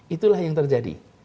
itulah yang terjadi